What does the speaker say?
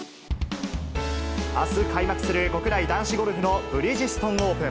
あす開幕する国内男子ゴルフのブリヂストンオープン。